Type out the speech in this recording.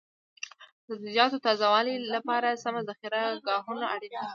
د سبزیجاتو تازه والي لپاره سمه ذخیره ګاهونه اړین دي.